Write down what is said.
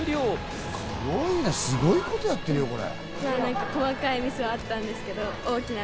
すごいね、すごいことやってるよ、これ。